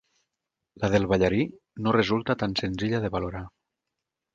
La del ballarí no resulta tan senzilla de valorar.